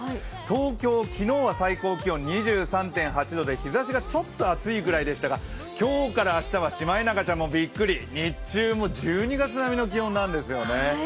東京、昨日は最高気温２３．８度で日ざしがちょっと暑いくらいでしたが今日から明日はシマエナガちゃんもビックリ、日中も１２月並みの気温なんですよね。